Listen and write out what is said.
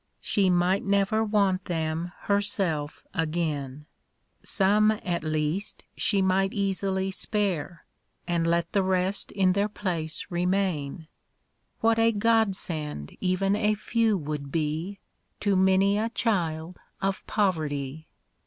She might never want them herself again. 22 THE baby's THINGS. Some at least she might easily spare, And let the rest in their place remain. What a godsend even a few would be, To many a child of poverty